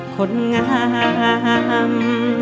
คนงาม